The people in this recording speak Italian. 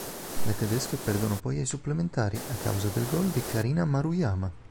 Le tedesche perdono poi ai supplementari, a causa del gol di Karina Maruyama.